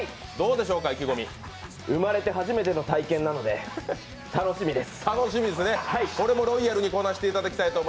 生まれてはじめての体験なので楽しみです。